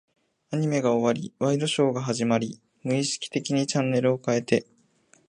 アニメが終わり、ワイドショーが始まり、無意識的にチャンネルを変えて、